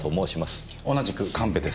同じく神戸です。